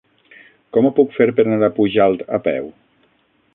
Com ho puc fer per anar a Pujalt a peu?